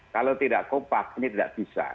kalau tidak kompak ini tidak bisa